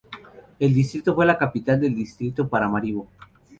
El distrito fue la capital del distrito de Paramaribo.